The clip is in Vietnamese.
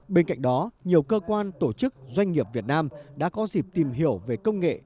bên cạnh đó nhiều cơ quan tổ chức doanh nghiệp việt nam đã có dịp tìm hiểu về công nghệ